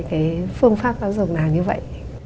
cái phương pháp tác dụng nào như vậy